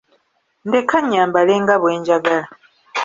Ndekka nyambale nga bwenjagala.